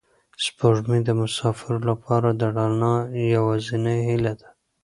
سپوږمۍ د مساپرو لپاره د رڼا یوازینۍ هیله ده.